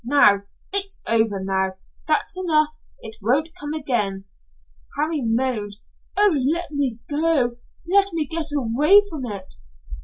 Now! It's over now. That's enough. It won't come again." Harry moaned. "Oh, let me go. Let me get away from it."